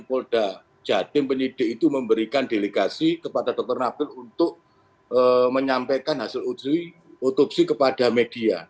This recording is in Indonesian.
polda jatim penyidik itu memberikan delegasi kepada dokter nabil untuk menyampaikan hasil otopsi kepada media